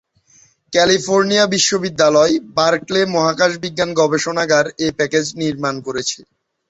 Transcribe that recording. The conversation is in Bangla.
ক্যালিফোর্নিয়া বিশ্ববিদ্যালয়, বার্কলে মহাকাশ বিজ্ঞান গবেষণাগার এই প্যাকেজ নির্মাণ করেছে।